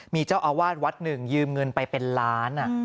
มีเจ้าอาวาสวัดหนึ่งยืมเงินไปเป็นล้าน